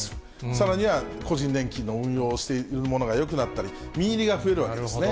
さらには、個人年金の運用をしているものがよくなったり、実入りが増えるわけですね。